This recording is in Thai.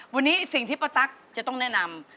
วันนี้สิ่งที่ป้าตั๊กจะต้องแนะนำ